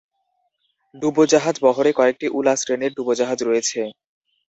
ডুবোজাহাজ বহরে কয়েকটি "উলা" শ্রেণীর ডুবোজাহাজ রয়েছে।